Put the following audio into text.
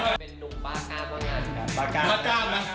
หนูบ้าก้ามน้ำนี้ค่ะ